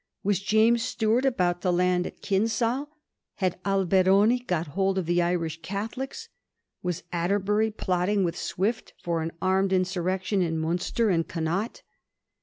Was James Stuart about to land at Einsale ? Had Alberoni got hold of the Irish Catholics ? Was Atterbury plotting with Swift for an armed insurrection in Munster and Con naught